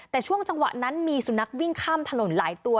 แต่ช่วงจังหวะนั้นมีสุนัขวิ่งข้ามถนนหลายตัว